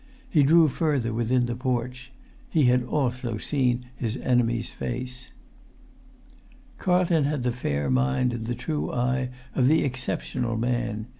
He drew further within the porch: he had also seen his enemy's face. Carlton had the fair mind and the true eye of the exceptional man.